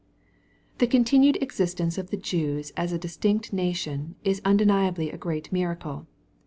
The continued existence of the Jews as a distinci nation, is undeniably a great miracle.